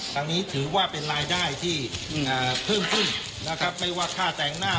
ทางนี้ถือว่าเป็นรายได้ที่เพิ่มขึ้นนะครับไม่ว่าค่าแต่งหน้า